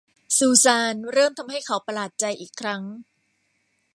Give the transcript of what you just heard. ซูซานเริ่มทำให้เขาประหลาดใจอีกครั้ง